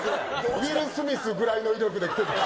ウィル・スミスぐらいの威力で。